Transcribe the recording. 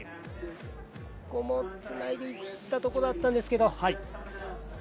ここもつないでいったところだったんですけど。